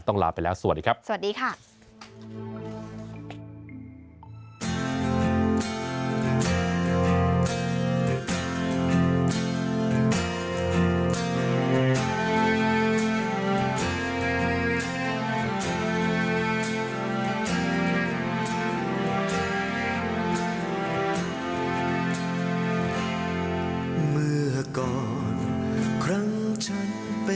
ต้องลาไปแล้วสวัสดีครับ